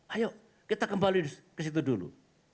ayo kita kembali ke situ dulu